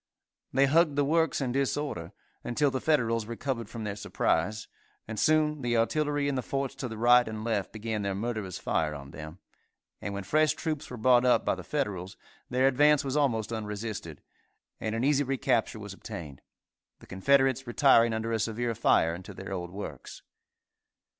They hugged the works in disorder, until the Federals recovered from their surprise, and soon the artillery in the forts to the right and left began their murderous fire on them, and when fresh troops were brought up by the Federals, their advance was almost unresisted, and an easy recapture was obtained, the Confederates retiring under a severe fire into their old works.